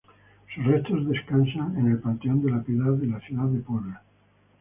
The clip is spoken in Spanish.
Sus restos descansan en el panteón de La Piedad, en la ciudad de Puebla.